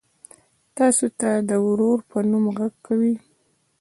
تاسو ته د ورور په نوم غږ کوي.